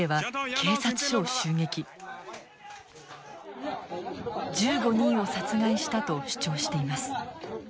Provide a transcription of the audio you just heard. １５人を殺害したと主張しています。